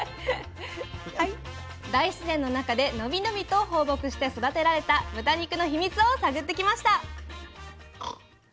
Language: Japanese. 大自然の中でのびのびと放牧して育てられた豚肉の秘密を探ってきました。